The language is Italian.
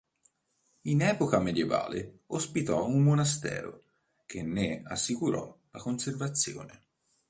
In epoca medievale ospitò un monastero, che ne assicurò la conservazione.